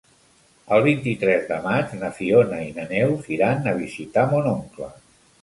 El vint-i-tres de maig na Fiona i na Neus iran a visitar mon oncle.